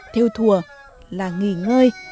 theo thùa là nghỉ ngơi